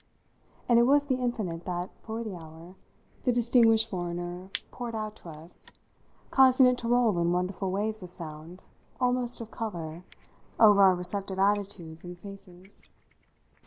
And it was the infinite that, for the hour, the distinguished foreigner poured out to us, causing it to roll in wonderful waves of sound, almost of colour, over our receptive attitudes and faces.